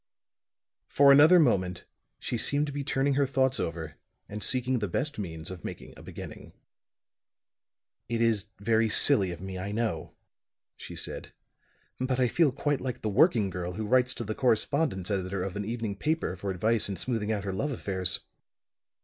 For another moment she seemed to be turning her thoughts over and seeking the best means of making a beginning. "It is very silly of me, I know," she said; "but I feel quite like the working girl who writes to the correspondence editor of an evening paper for advice in smoothing out her love affairs."